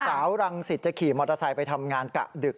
สังสิทธิ์จะขี่มอเตอร์ไซค์ไปทำงานกะดึก